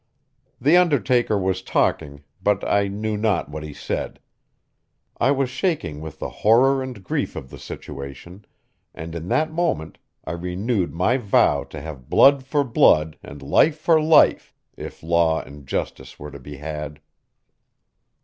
The undertaker was talking, but I knew not what he said. I was shaking with the horror and grief of the situation, and in that moment I renewed my vow to have blood for blood and life for life, if law and justice were to be had.